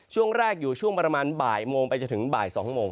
ช่วงแรกอยู่ช่วงประมาณบ่ายโมงไปจนถึงบ่าย๒โมง